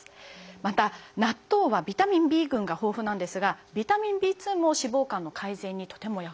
また納豆はビタミンＢ群が豊富なんですがビタミンＢも脂肪肝の改善にとても役立つということなんですよね。